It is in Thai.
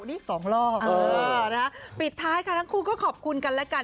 นี่สองรอบเออนะคะปิดท้ายค่ะทั้งคู่ก็ขอบคุณกันและกัน